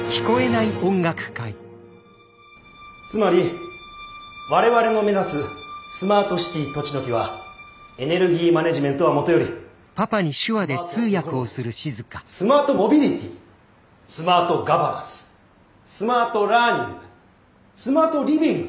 つまり我々の目指すスマートシティとちのきはエネルギーマネジメントはもとよりスマートエコノミースマートモビリティスマートガバナンススマートラーニングスマートリビング。